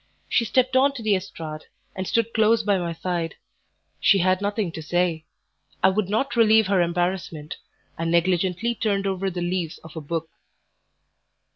She stepped on to the estrade, and stood close by my side; she had nothing to say. I would not relieve her embarrassment, and negligently turned over the leaves of a book.